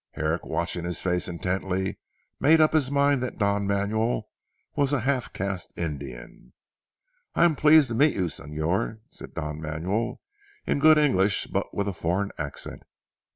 Herrick watching his face intently made up his mind that Don Manuel was a half caste Indian. "I am pleased to meet you Señor," said Don Manuel in good English but with a foreign accent. "Dr.